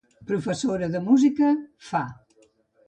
>>Professora de Música: Fa.